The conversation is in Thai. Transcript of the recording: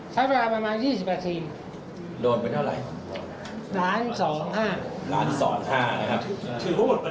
ถือว่าหมดบัญชีเลยนะครับ